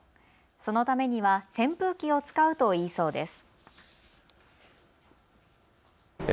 そのためには扇風機を使うといいそうです。